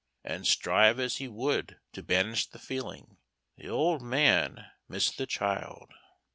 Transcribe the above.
And strive as he would to banish the feeling, the old man missed the child.